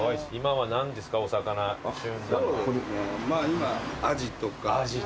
今アジとか。